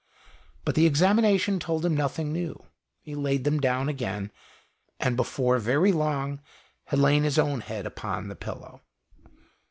But the examination told him nothing new: he laid them down again, and, before very long, had lain his own head upon the pillow.